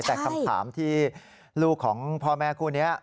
แต่คำถามที่ลูกของพ่อแม่คู่นี้